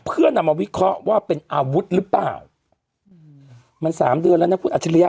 เพื่อนำมาวิเคราะห์ว่าเป็นอาวุธหรือเปล่ามันสามเดือนแล้วนะคุณอัจฉริยะ